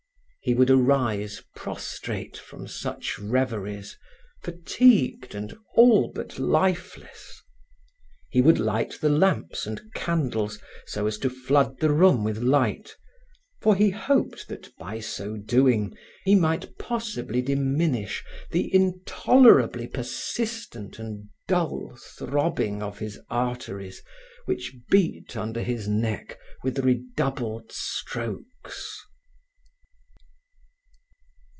He would arise prostrate from such reveries, fatigued and all but lifeless. He would light the lamps and candles so as to flood the room with light, for he hoped that by so doing he might possibly diminish the intolerably persistent and dull throbbing of his arteries which beat under his neck with redoubled strokes.